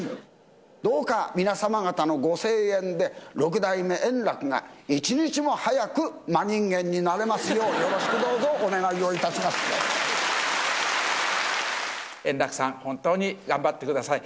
どうか皆様方のご声援で、六代目円楽が一日も早く真人間になれますよう、よろしくどうぞお円楽さん、本当に頑張ってください。